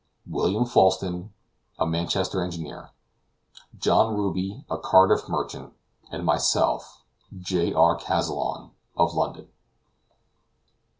William Falsten, a Manchester engineer. John Ruby, a Cardiff merchant; and myself, J. R. Kazallon, of London.